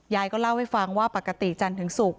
ยายก็เล่าให้ฟังว่าปกติจันทึงสุด